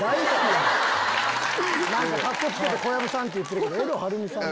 カッコつけて小籔さんって言ってるけどエド・はるみさん？